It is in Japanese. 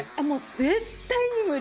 絶対に無理。